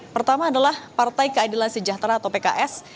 pertama adalah partai keadilan sejahtera atau pks